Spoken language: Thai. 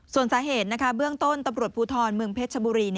ส่วนสาเหตุเบื้องต้นตำรวจภูทรเมืองเพชรชบุรี